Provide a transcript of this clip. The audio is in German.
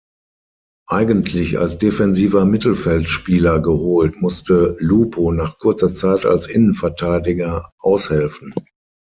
Eigentlich als defensiver Mittelfeldspieler geholt, musste „Lupo“ nach kurzer Zeit als Innenverteidiger aushelfen.